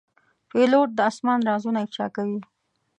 پیلوټ د آسمان رازونه افشا کوي.